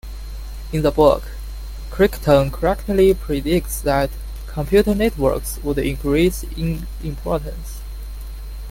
In the book, Crichton correctly predicts that computer networks would increase in importance.